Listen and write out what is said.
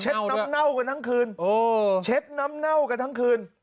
น้ำเน่ากันทั้งคืนเช็ดน้ำเน่ากันทั้งคืน